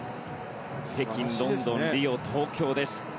北京、ロンドンリオ、東京です。